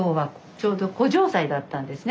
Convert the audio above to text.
ちょうど湖上祭だったんですね